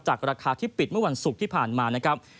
ราคาที่ปิดเมื่อวันศุกร์ที่ผ่านมานะครับ